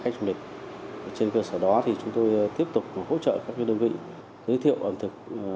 khách du lịch trên cơ sở đó thì chúng tôi tiếp tục hỗ trợ các đơn vị giới thiệu ẩm thực